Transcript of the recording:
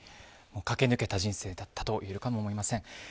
駆け抜けた人生だったと言えるかもしれません。